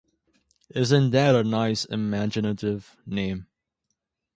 Isn’t that a nice imaginative name?